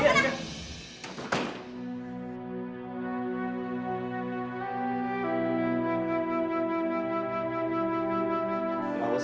itu bukan derita lois